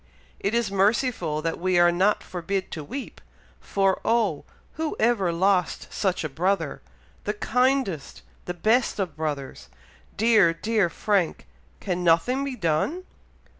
It is merciful that we are not forbid to weep, for, oh! who ever lost such a brother? the kindest the best of brothers! dear, dear Frank! can nothing be done!